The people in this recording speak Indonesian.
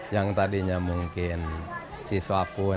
yang tadinya mungkin siswa pun